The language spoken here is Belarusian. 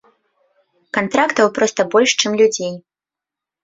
Кантрактаў проста больш, чым людзей.